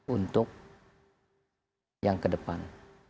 untuk yang ke depan